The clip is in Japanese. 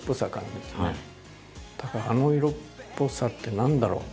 あの色っぽさって何だろう？